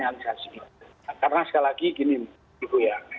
karena sekali lagi gini ibu ya